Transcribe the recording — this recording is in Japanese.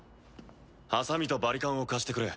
ハサミとバリカンを貸してくれ。